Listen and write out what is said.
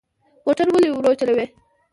موټر ولې ورو چلوو؟